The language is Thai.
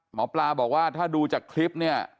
หมอปลาบอกว่าถ้าดูจากคลิปเนี่ย